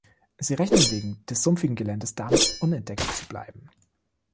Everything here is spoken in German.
Sie rechnen wegen des sumpfigen Geländes damit, unentdeckt zu bleiben.